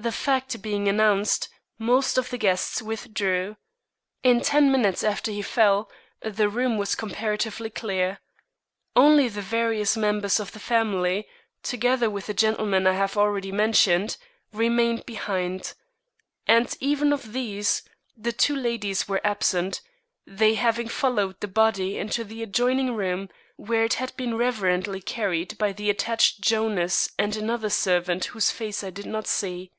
The fact being announced, most of the guests withdrew. In ten minutes after he fell, the room was comparatively clear. Only the various members of the family, together with the gentleman I have already mentioned, remained behind; and, even of these, the two ladies were absent, they having followed the body into the adjoining room, where it had been reverently carried by the attached Jonas and another servant whose face I did not see.